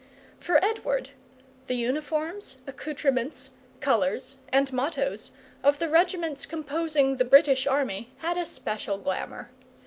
For Edward, the uniforms, accoutrements, colours, and mottoes of the regiments composing the British Army had a special glamour.